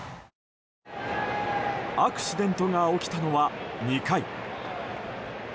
アクシデントが起きたのは２回。